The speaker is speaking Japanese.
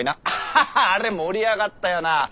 アハハあれ盛り上がったよなぁ。